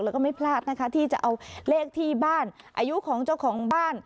แล้วก็ไม่พลาดนะคะที่จะเอาเลขที่บ้านอายุของเจ้าของบ้าน